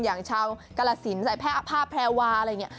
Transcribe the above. อย่างชาวกาละสินใส่แพร่อภาพแพรวาอะไรอย่างนี้